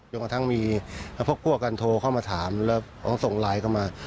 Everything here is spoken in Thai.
ประมาณทั้งพวกกันโทรเข้ามาถามแล้วต้องส่งไลน์เข้ามา